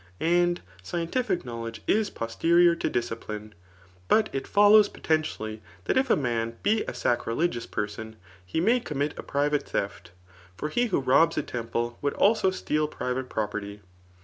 And scientific knowledge is posterior to discipline. But it follows potentially that if a man be a sacrilegious person^ he may commit a private theft ; for he who robs a temple would also steal private iMx>perty.